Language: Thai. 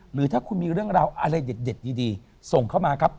หรือถ้าคุณมีเรื่องราวอะไรเด็ดดีส่งเข้ามาครับ